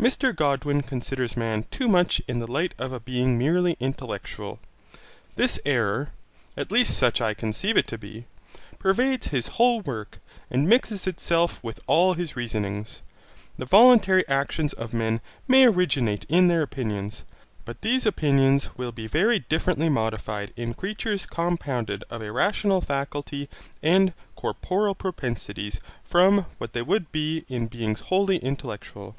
Mr Godwin considers man too much in the light of a being merely intellectual. This error, at least such I conceive it to be, pervades his whole work and mixes itself with all his reasonings. The voluntary actions of men may originate in their opinions, but these opinions will be very differently modified in creatures compounded of a rational faculty and corporal propensities from what they would be in beings wholly intellectual.